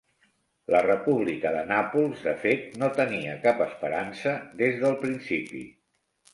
La República de Nàpols, de fet, no tenia cap esperança des del principi.